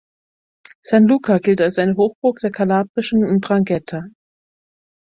San Luca gilt als eine Hochburg der kalabrischen ’Ndrangheta.